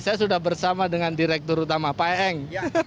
saya sudah bersama dengan direktur utama pak eng